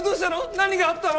何があったの！？